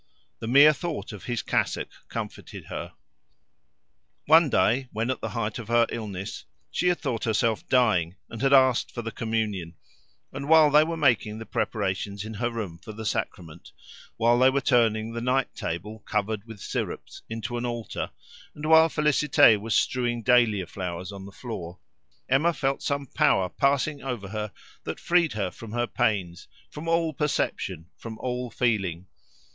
The mere thought of his cassock comforted her. One day, when at the height of her illness, she had thought herself dying, and had asked for the communion; and, while they were making the preparations in her room for the sacrament, while they were turning the night table covered with syrups into an altar, and while Félicité was strewing dahlia flowers on the floor, Emma felt some power passing over her that freed her from her pains, from all perception, from all feeling.